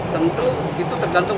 tentu itu tergantung